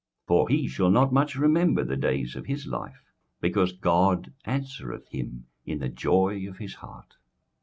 21:005:020 For he shall not much remember the days of his life; because God answereth him in the joy of his heart.